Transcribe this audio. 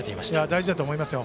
大事だと思いますよ。